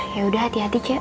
ya udah hati hati cek